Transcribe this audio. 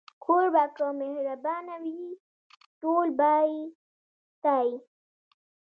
کوربه که مهربانه وي، ټول به يې ستایي.